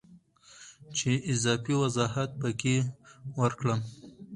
چې اضافي وضاحت پکې ورکړم